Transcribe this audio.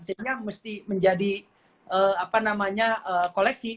sehingga mesti menjadi koleksi